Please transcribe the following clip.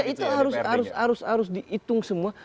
itu harus dihitung semua